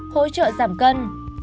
hỗ trợ giảm cân